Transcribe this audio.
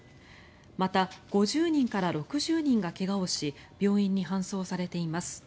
また５０人から６０人が怪我をし病院に搬送されています。